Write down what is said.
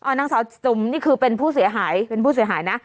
นางสาวจุ่มนี่คือเป็นผู้เสียหาย